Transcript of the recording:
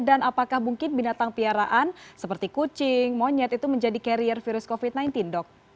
dan apakah mungkin binatang piaraan seperti kucing monyet itu menjadi carrier virus covid sembilan belas dok